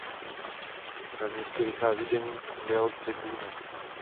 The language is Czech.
Ve městě vychází deník "Mail Tribune".